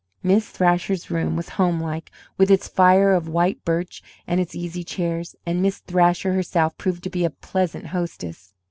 Miss Thrasher's room was homelike, with its fire of white birch and its easy chairs, and Miss Thrasher herself proved to be a pleasant hostess.